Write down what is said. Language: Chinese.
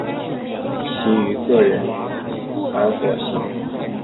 其余各人亦被裁定有相关罪行而获刑。